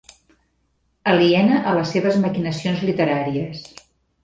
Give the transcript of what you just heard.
Aliena a les seves maquinacions literàries.